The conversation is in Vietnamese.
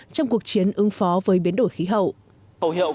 trong cuộc chiến ứng phó với biến đổi khí hậu